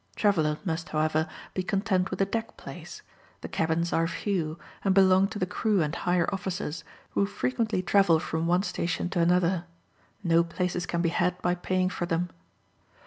Travellers must, however, be content with a deck place: the cabins are few, and belong to the crew and higher officers, who frequently travel from one station to another. No places can be had by paying for them.